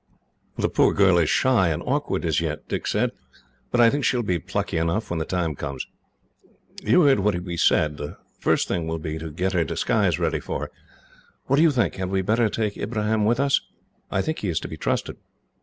"The poor girl is shy and awkward, as yet," Dick said, "but I think she will be plucky enough, when the time comes. You heard what we said. The first thing will be to get her disguise ready for her. What do you think? Had we better take Ibrahim with us? I think he is to be trusted."